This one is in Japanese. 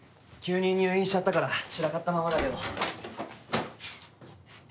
急に入院しちゃったから散らかったままだけど。